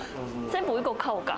全部１個買おうか。